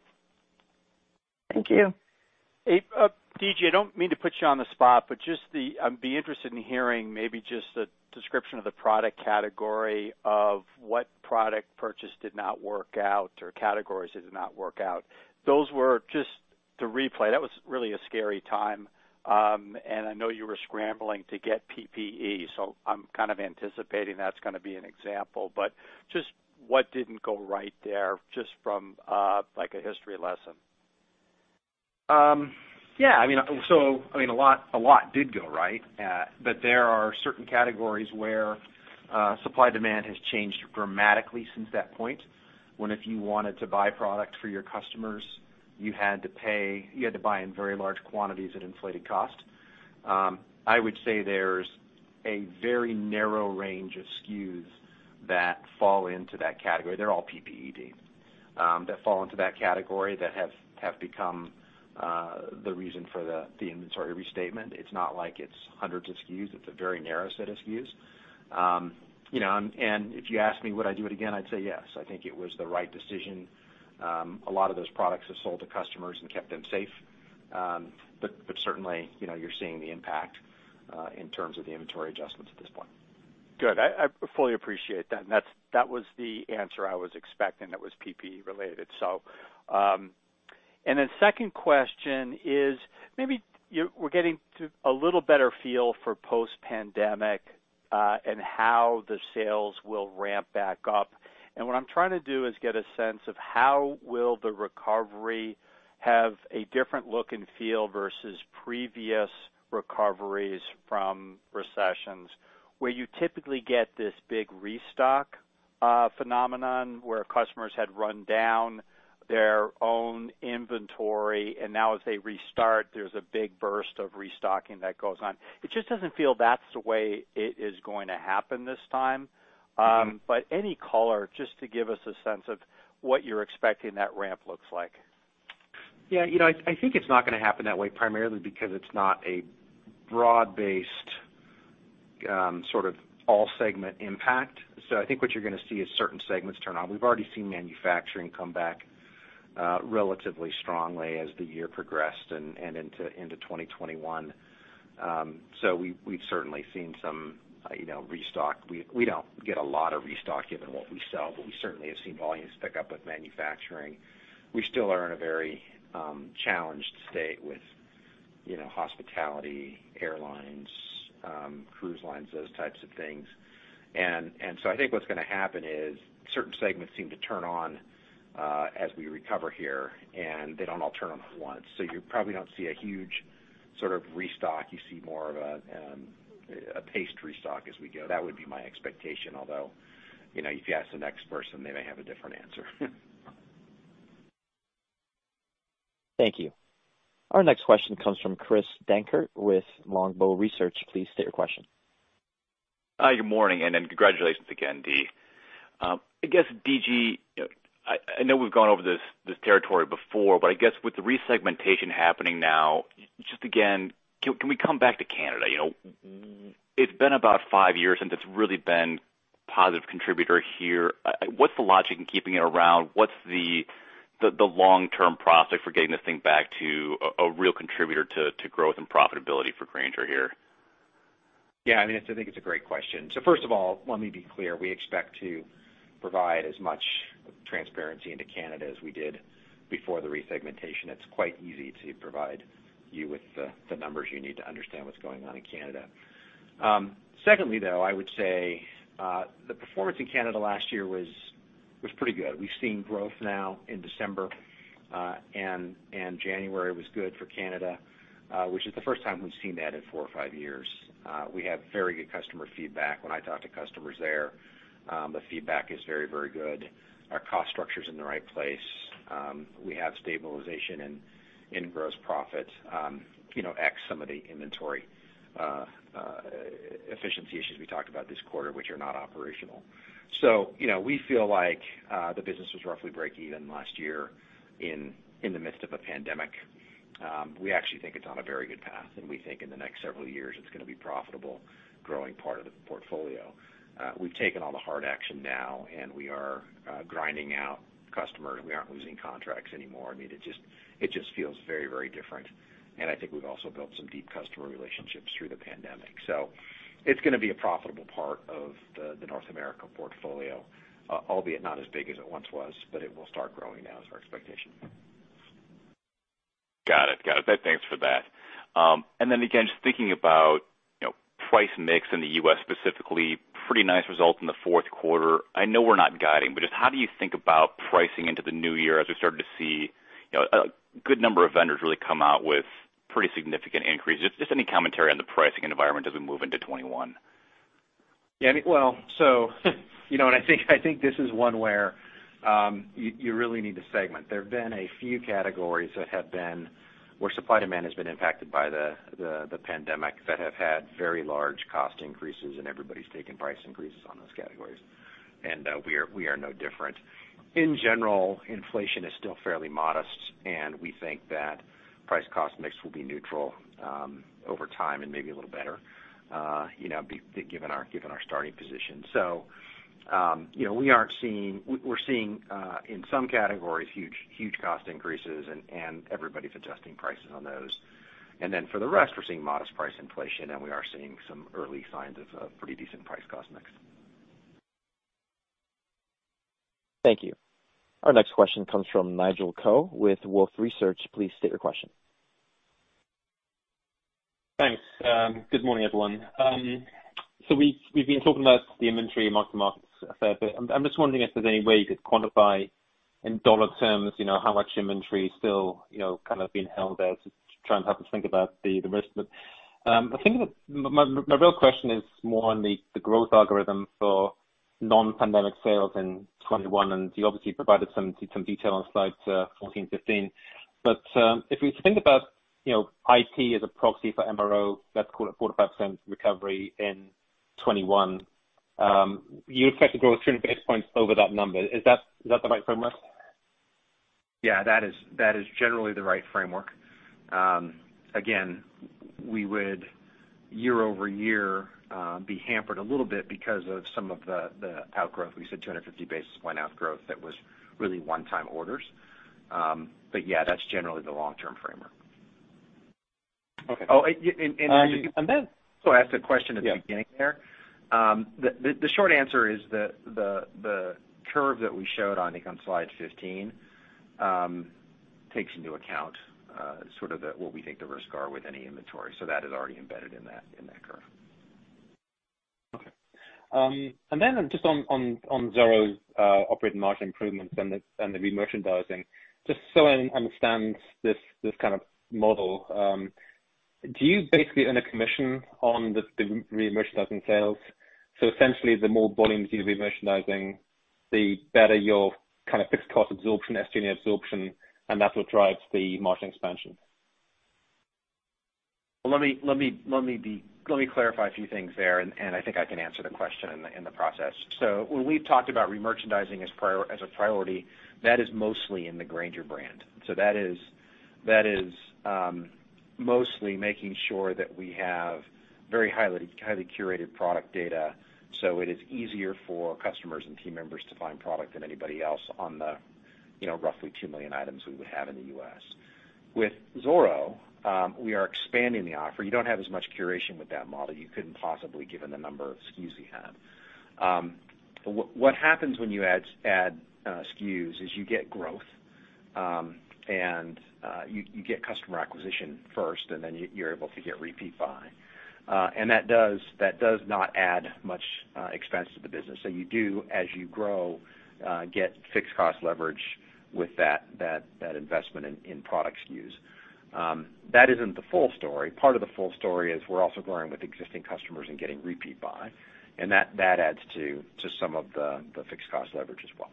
Thank you. D.G., I don't mean to put you on the spot, but I'd be interested in hearing maybe just a description of the product category of what product purchase did not work out or categories did not work out. Those were just to replay. That was really a scary time. I know you were scrambling to get PPE, so I'm kind of anticipating that's gonna be an example, but just what didn't go right there, just from a history lesson. Yeah. A lot did go right. There are certain categories where supply-demand has changed dramatically since that point, when if you wanted to buy product for your customers, you had to buy in very large quantities at inflated cost. I would say there's a very narrow range of SKUs that fall into that category. They're all PPE, Deane. That fall into that category that have become the reason for the inventory restatement. It's not like it's hundreds of SKUs. It's a very narrow set of SKUs. If you ask me would I do it again, I'd say yes. I think it was the right decision. A lot of those products have sold to customers and kept them safe. Certainly, you're seeing the impact in terms of the inventory adjustments at this point. Good. I fully appreciate that. That was the answer I was expecting, that was PPE related. Second question is, maybe we're getting to a little better feel for post-pandemic, and how the sales will ramp back up. What I'm trying to do is get a sense of how will the recovery have a different look and feel versus previous recoveries from recessions, where you typically get this big restock phenomenon where customers had run down their own inventory, and now as they restart, there's a big burst of restocking that goes on. It just doesn't feel that's the way it is going to happen this time. Any color just to give us a sense of what you're expecting that ramp looks like? Yeah. I think it's not gonna happen that way primarily because it's not a broad-based sort of all segment impact. I think what you're gonna see is certain segments turn on. We've already seen manufacturing come back relatively strongly as the year progressed and into 2021. We've certainly seen some restock. We don't get a lot of restock given what we sell, but we certainly have seen volumes pick up with manufacturing. We still are in a very challenged state with hospitality, airlines, cruise lines, those types of things. I think what's gonna happen is certain segments seem to turn on as we recover here, and they don't all turn on at once. You probably don't see a huge sort of restock. You see more of a paced restock as we go. That would be my expectation. If you ask the next person, they may have a different answer. Thank you. Our next question comes from Chris Dankert with Longbow Research. Please state your question. Good morning, congratulations again, Dee. I guess, D.G. I know we've gone over this territory before, with the re-segmentation happening now, just again, can we come back to Canada? It's been about five years since it's really been a positive contributor here. What's the logic in keeping it around? What's the long-term prospect for getting this thing back to a real contributor to growth and profitability for Grainger here? I think it's a great question. First of all, let me be clear. We expect to provide as much transparency into Canada as we did before the re-segmentation. It's quite easy to provide you with the numbers you need to understand what's going on in Canada. Secondly, though, I would say the performance in Canada last year was pretty good. We've seen growth now in December, and January was good for Canada, which is the first time we've seen that in four or five years. We have very good customer feedback. When I talk to customers there, the feedback is very good. Our cost structure's in the right place. We have stabilization in gross profit, ex some of the inventory efficiency issues we talked about this quarter, which are not operational. We feel like, the business was roughly break even last year in the midst of a pandemic. We actually think it's on a very good path, and we think in the next several years it's going to be profitable, growing part of the portfolio. We've taken all the hard action now, and we are grinding out customers. We aren't losing contracts anymore. It just feels very different. I think we've also built some deep customer relationships through the pandemic. It's going to be a profitable part of the North America portfolio, albeit not as big as it once was, but it will start growing now is our expectation. Got it. Thanks for that. Again, just thinking about price mix in the U.S. specifically, pretty nice results in the fourth quarter. I know we're not guiding, just how do you think about pricing into the new year as we started to see a good number of vendors really come out with pretty significant increases? Just any commentary on the pricing environment as we move into 2021. Yeah. I think this is one where you really need to segment. There have been a few categories where supply demand has been impacted by the pandemic that have had very large cost increases, and everybody's taken price increases on those categories. We are no different. In general, inflation is still fairly modest, and we think that price cost mix will be neutral over time and maybe a little better given our starting position. We're seeing, in some categories, huge cost increases, and everybody's adjusting prices on those. Then for the rest, we're seeing modest price inflation, and we are seeing some early signs of a pretty decent price cost mix. Thank you. Our next question comes from Nigel Coe with Wolfe Research. Please state your question. Thanks. Good morning, everyone. We've been talking about the inventory mark to markets a fair bit. I'm just wondering if there's any way you could quantify in dollar terms how much inventory is still kind of being held there to try and help us think about the risk of it. I think my real question is more on the growth algorithm for non-pandemic sales in 2021, you obviously provided some detail on slides 14, 15. If we think about IT as a proxy for MRO, let's call it 4%-5% recovery in 2021. You expect to grow 300 basis points over that number. Is that the right framework? Yeah, that is generally the right framework. Again, we would year-over-year be hampered a little bit because of some of the outgrowth. We said 250 basis point outgrowth that was really one-time orders. Yeah, that's generally the long-term framework. Okay. Oh, and- And then I asked a question at the beginning there. The short answer is the curve that we showed, I think, on slide 15, takes into account sort of what we think the risks are with any inventory. That is already embedded in that curve. Okay. Just on Zoro's operating margin improvements and the remerchandising, just so I understand this kind of model, do you basically earn a commission on the remerchandising sales? Essentially the more volumes you remerchandising, the better your kind of fixed cost absorption, SG&A absorption, and that's what drives the margin expansion. Let me clarify a few things there, and I think I can answer the question in the process. When we've talked about remerchandising as a priority, that is mostly in the Grainger brand. That is mostly making sure that we have very highly curated product data, so it is easier for customers and team members to find product than anybody else on the roughly 2 million items we would have in the U.S. With Zoro, we are expanding the offer. You don't have as much curation with that model. You couldn't possibly, given the number of SKUs you have. What happens when you add SKUs is you get growth, and you get customer acquisition first, and then you're able to get repeat buy. That does not add much expense to the business. You do, as you grow, get fixed cost leverage with that investment in product SKUs. That isn't the full story. Part of the full story is we're also growing with existing customers and getting repeat buy, and that adds to some of the fixed cost leverage as well.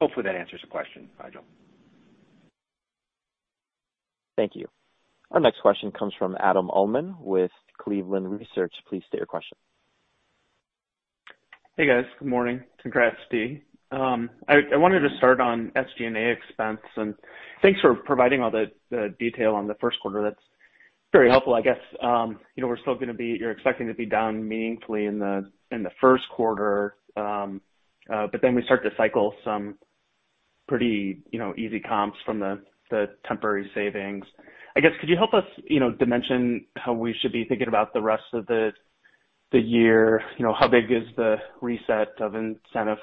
Hopefully, that answers the question, Nigel. Thank you. Our next question comes from Adam Uhlman with Cleveland Research. Please state your question. Hey, guys. Good morning. Congrats, Dee. I wanted to start on SG&A expense. Thanks for providing all the detail on the first quarter. That's very helpful. I guess, you're expecting to be down meaningfully in the first quarter. We start to cycle some pretty easy comps from the temporary savings. I guess, could you help us dimension how we should be thinking about the rest of the year? How big is the reset of incentive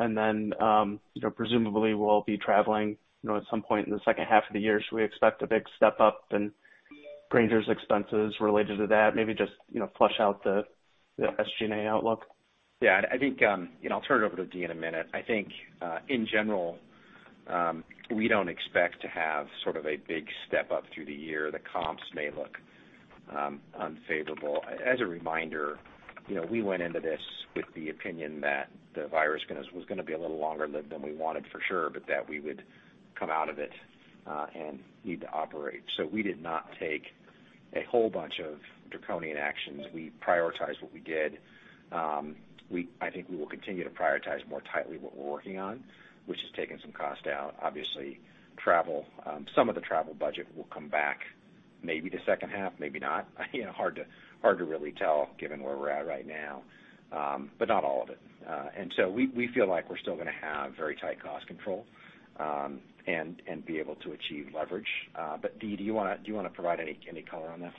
comp? Presumably we'll be traveling at some point in the second half of the year. Should we expect a big step up in Grainger's expenses related to that? Maybe just flush out the SG&A outlook. Yeah. I'll turn it over to Dee in a minute. I think, in general, we don't expect to have sort of a big step up through the year. The comps may look unfavorable. As a reminder, we went into this with the opinion that the virus was going to be a little longer lived than we wanted, for sure, but that we would come out of it and need to operate. We did not take a whole bunch of draconian actions. We prioritized what we did. I think we will continue to prioritize more tightly what we're working on, which is taking some cost out. Obviously, some of the travel budget will come back maybe the second half, maybe not. Hard to really tell given where we're at right now. Not all of it. We feel like we're still going to have very tight cost control, and be able to achieve leverage. Dee, do you want to provide any color on that?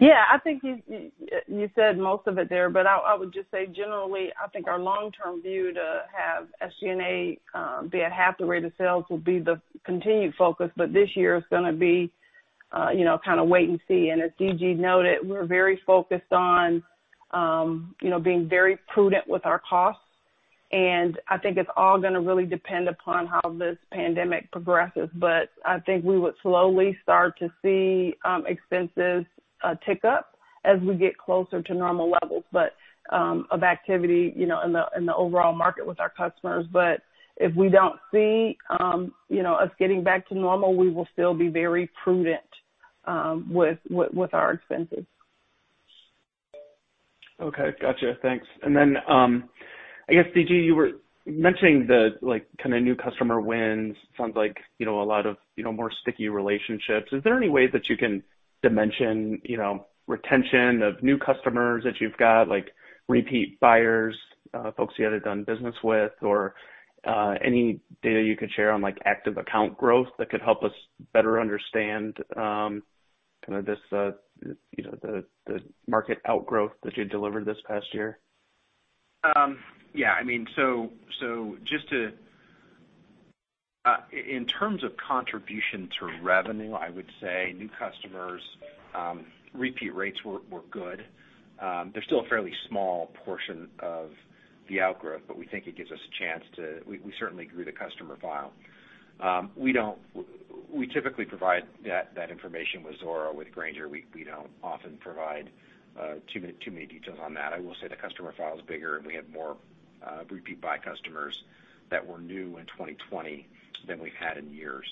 Yeah, I think you said most of it there, but I would just say generally, I think our long-term view to have SG&A be at half the rate of sales will be the continued focus. This year is going to be kind of wait and see. As D.G. noted, we're very focused on being very prudent with our costs, and I think it's all going to really depend upon how this pandemic progresses. I think we would slowly start to see expenses tick up as we get closer to normal levels of activity in the overall market with our customers. If we don't see us getting back to normal, we will still be very prudent with our expenses. Okay. Got you. Thanks. I guess, D.G., you were mentioning the kind of new customer wins. Sounds like a lot of more sticky relationships. Is there any way that you can dimension retention of new customers that you've got, like repeat buyers, folks you hadn't done business with, or any data you could share on active account growth that could help us better understand the market outgrowth that you delivered this past year? Yeah. In terms of contribution to revenue, I would say new customers' repeat rates were good. They're still a fairly small portion of the outgrowth, but we think it gives us a chance to. We certainly grew the customer file. We typically provide that information with Zoro. With Grainger, we don't often provide too many details on that. I will say the customer file is bigger, and we have more repeat by customers that were new in 2020 than we've had in years.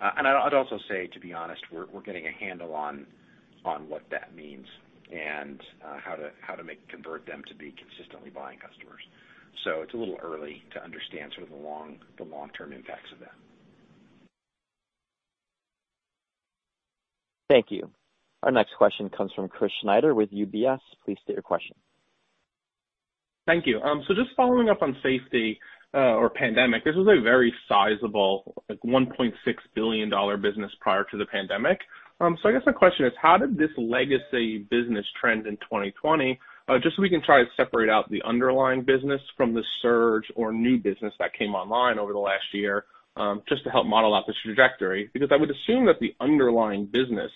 I'd also say, to be honest, we're getting a handle on what that means and how to convert them to be consistently buying customers. It's a little early to understand sort of the long-term impacts of that. Thank you. Our next question comes from Chris Snyder with UBS. Please state your question. Thank you. Just following up on safety or pandemic, this was a very sizable, like $1.6 billion business prior to the pandemic. I guess my question is, how did this legacy business trend in 2020? Just so we can try to separate out the underlying business from the surge or new business that came online over the last year, just to help model out the trajectory, because I would assume that the underlying business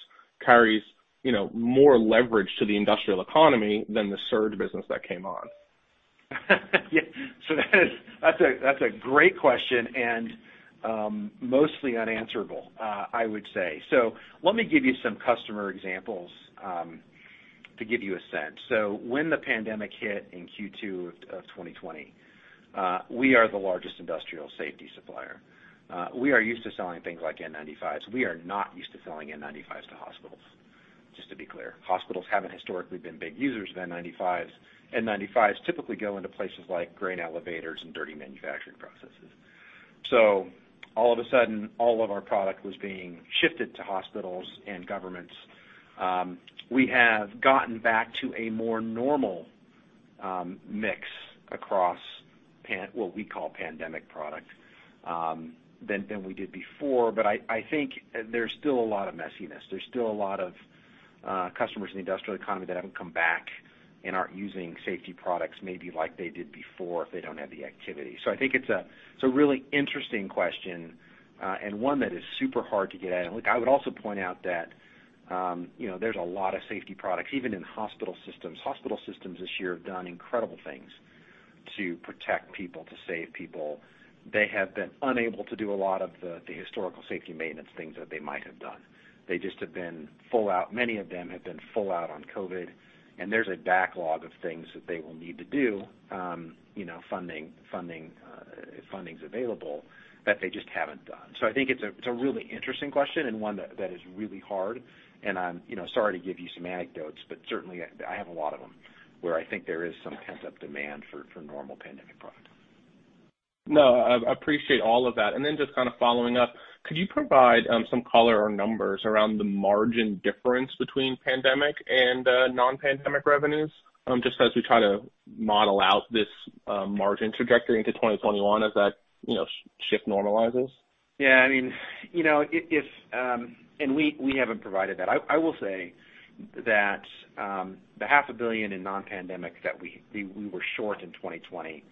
carries more leverage to the industrial economy than the surge business that came on. That's a great question, and mostly unanswerable, I would say. Let me give you some customer examples to give you a sense. When the pandemic hit in Q2 of 2020, we are the largest industrial safety supplier. We are used to selling things like N95s. We are not used to selling N95s to hospitals, just to be clear. Hospitals haven't historically been big users of N95s. N95s typically go into places like grain elevators and dirty manufacturing processes. All of a sudden, all of our product was being shifted to hospitals and governments. We have gotten back to a more normal mix across what we call pandemic product than we did before. I think there's still a lot of messiness. There's still a lot of customers in the industrial economy that haven't come back and aren't using safety products maybe like they did before if they don't have the activity. I think it's a really interesting question, and one that is super hard to get at. Look, I would also point out that there's a lot of safety products, even in hospital systems. Hospital systems this year have done incredible things to protect people, to save people. They have been unable to do a lot of the historical safety maintenance things that they might have done. They just have been full out. Many of them have been full out on COVID, and there's a backlog of things that they will need to do, funding's available, that they just haven't done. I think it's a really interesting question and one that is really hard, and I'm sorry to give you some anecdotes, but certainly, I have a lot of them, where I think there is some pent-up demand for normal pandemic product. No, I appreciate all of that. Then just kind of following up, could you provide some color or numbers around the margin difference between pandemic and non-pandemic revenues, just as we try to model out this margin trajectory into 2021 as that shift normalizes? Yeah. We haven't provided that. I will say that the half a billion in non-pandemic that we were short in 2020,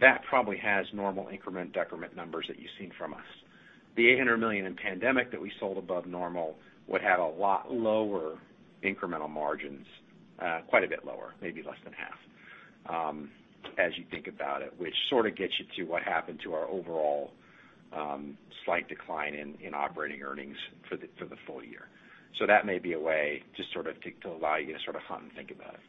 that probably has normal increment decrement numbers that you've seen from us. The $800 million in pandemic that we sold above normal would have a lot lower incremental margins, quite a bit lower, maybe less than half, as you think about it, which sort of gets you to what happened to our overall slight decline in operating earnings for the full year. That may be a way just sort of to allow you to sort of hunt and think about it.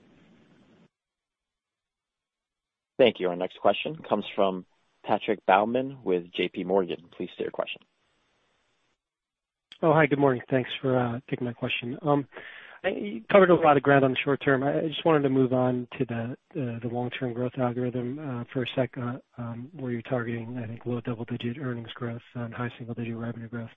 Thank you. Our next question comes from Patrick Baumann with JPMorgan. Please state your question. Oh, hi. Good morning. Thanks for taking my question. You covered a lot of ground on the short term. I just wanted to move on to the long-term growth algorithm for a second, where you're targeting, I think, low double-digit earnings growth on high single-digit revenue growth.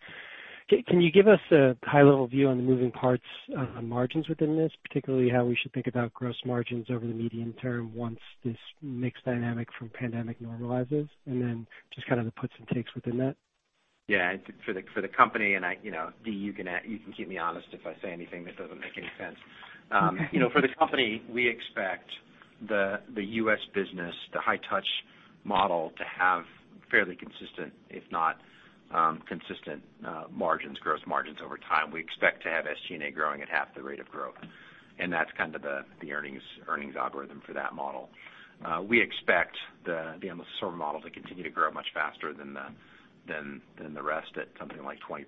Can you give us a high-level view on the moving parts on margins within this, particularly how we should think about gross margins over the medium term once this mix dynamic from pandemic normalizes, and then just kind of the puts and takes within that? For the company, and Dee, you can keep me honest if I say anything that doesn't make any sense. For the company, we expect the U.S. business, the high-touch model, to have fairly consistent, if not consistent margins, gross margins over time. We expect to have SG&A growing at half the rate of growth, and that's kind of the earnings algorithm for that model. We expect the [Amazon model to continue to grow much faster than the rest at something like 20%.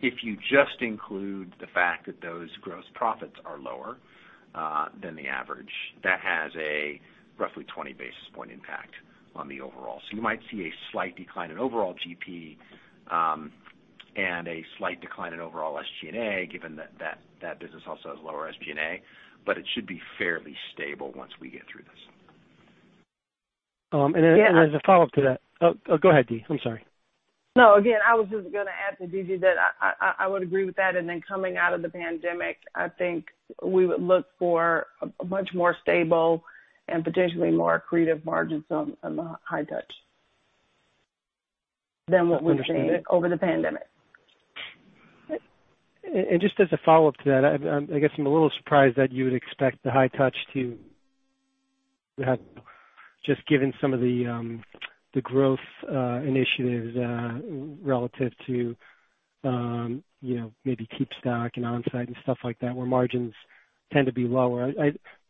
If you just include the fact that those gross profits are lower than the average, that has a roughly 20 basis points impact on the overall. You might see a slight decline in overall GP, and a slight decline in overall SG&A, given that that business also has lower SG&A, but it should be fairly stable once we get through this. As a follow-up to that. Oh, go ahead, Dee. I'm sorry. Again, I was just gonna add to D.G. that I would agree with that. Coming out of the pandemic, I think we would look for a much more stable and potentially more accretive margins on the High-Touch than what we've seen over the pandemic. Just as a follow-up to that, I guess I'm a little surprised that you would expect the High-Touch to have, just given some of the growth initiatives relative to maybe KeepStock and onsite and stuff like that, where margins tend to be lower.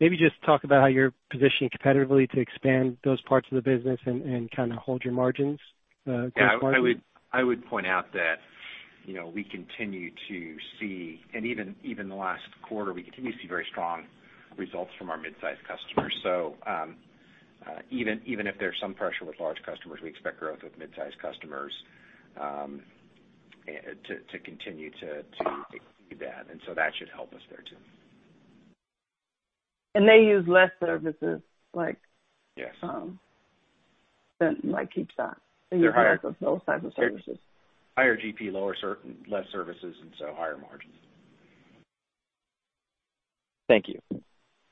Maybe just talk about how you're positioning competitively to expand those parts of the business and kind of hold your margins going forward. Yeah. I would point out that we continue to see, and even the last quarter, we continue to see very strong results from our mid-size customers. Even if there's some pressure with large customers, we expect growth with mid-size customers to continue to do that. That should help us there too. They use less services. Yes like KeepStock. They're higher. They use both types of services. Higher GP, less services, and so higher margins. Thank you.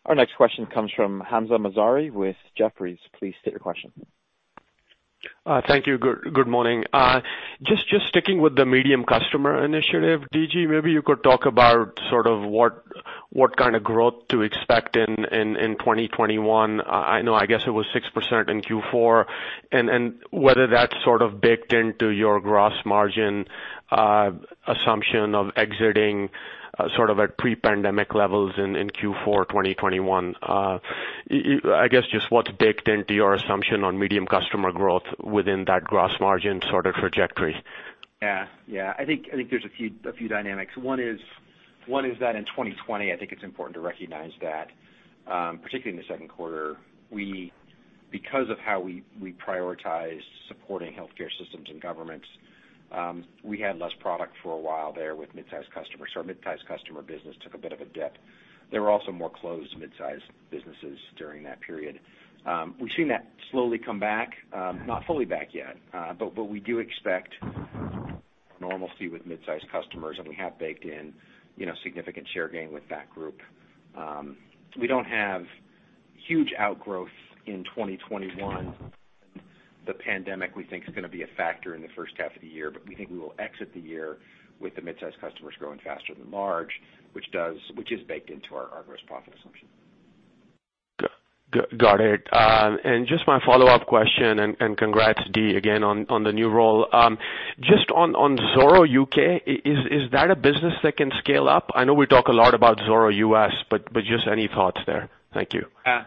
Our next question comes from Hamzah Mazari with Jefferies. Please state your question. Thank you. Good morning. Just sticking with the medium customer initiative, DG, maybe you could talk about sort of what kind of growth to expect in 2021. I know, I guess it was 6% in Q4, and whether that's sort of baked into your gross margin assumption of exiting sort of at pre-pandemic levels in Q4 2021. I guess, just what's baked into your assumption on medium customer growth within that gross margin sort of trajectory? Yeah. I think there's a few dynamics. One is that in 2020, I think it's important to recognize that, particularly in the second quarter, because of how we prioritized supporting healthcare systems and governments, we had less product for a while there with mid-size customers. Our mid-size customer business took a bit of a dip. There were also more closed mid-size businesses during that period. We've seen that slowly come back, not fully back yet, but we do expect normalcy with mid-size customers, and we have baked in significant share gain with that group. We don't have huge outgrowth in 2021. The pandemic, we think, is gonna be a factor in the first half of the year, but we think we will exit the year with the mid-size customers growing faster than large, which is baked into our gross profit assumption. Got it. Just my follow-up question, and congrats, Dee, again, on the new role. Just on Zoro UK, is that a business that can scale up? I know we talk a lot about Zoro US, but just any thoughts there. Thank you.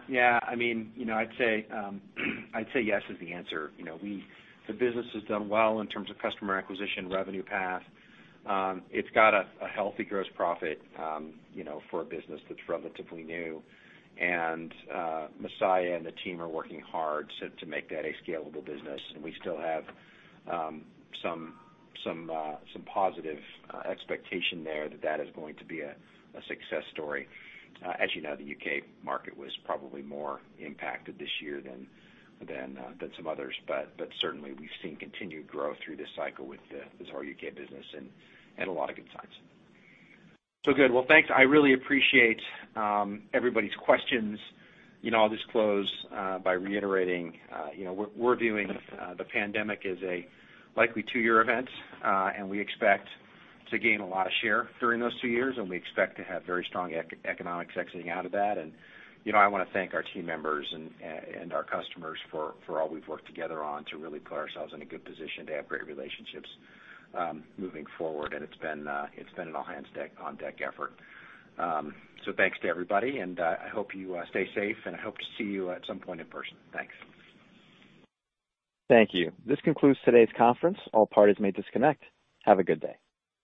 Yeah. I'd say yes is the answer. The business has done well in terms of customer acquisition, revenue path. It's got a healthy gross profit for a business that's relatively new. Masaya and the team are working hard to make that a scalable business, and we still have some positive expectation there that that is going to be a success story. You know, the U.K. market was probably more impacted this year than some others. Certainly, we've seen continued growth through this cycle with the Zoro UK business and a lot of good signs. Good. Well, thanks. I really appreciate everybody's questions. I'll just close by reiterating, we're viewing the pandemic as a likely two-year event, and we expect to gain a lot of share during those two years, and we expect to have very strong economics exiting out of that. I want to thank our team members and our customers for all we've worked together on to really put ourselves in a good position to have great relationships moving forward. It's been an all-hands-on-deck effort. Thanks to everybody, and I hope you stay safe, and I hope to see you at some point in person. Thanks. Thank you. This concludes today's conference. All parties may disconnect. Have a good day.